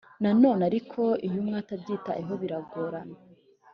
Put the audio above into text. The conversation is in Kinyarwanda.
Nanone ariko iyo umwe atabyitayeho biragorana